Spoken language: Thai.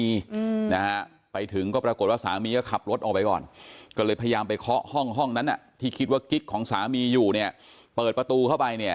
เรื่องของโลกสองใบที่จังหวัดนครศรีธรรมาราช